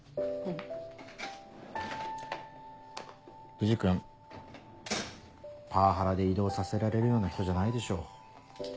藤君パワハラで異動させられるような人じゃないでしょ。